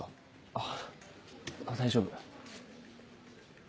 あぁ大丈夫。